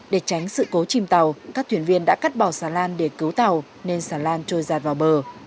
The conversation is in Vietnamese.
để tránh sự cố chìm tàu các thuyền viên đã cắt bỏ xà lan để cứu tàu nên xà lan trôi giạt vào bờ